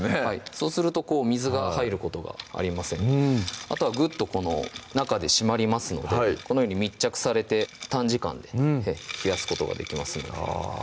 そうすると水が入ることがありませんあとはぐっと中で締まりますのでこのように密着されて短時間で冷やすことができますのであぁ